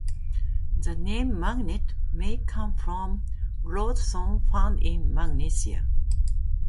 The name "magnet" may come from lodestones found in Magnesia.